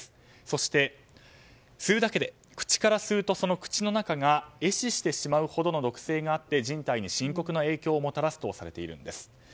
そして、吸うだけで口から吸うと、その口の中が壊死してしまうほどの毒性があって人体に深刻な影響をもたらすとされているんです。